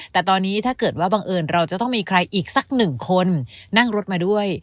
แต่ตอนนี้ถ้าเกิดว่าบังเอิญเราจะต้องมีใครอีกสักหนึ่งคนนั่งรถมาด้วย